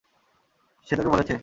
সে তোকে বলেছে?